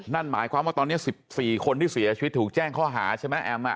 นั่นหมายความว่าตอนนี้๑๔คนที่เสียชีวิตถูกแจ้งข้อหาใช่ไหมแอม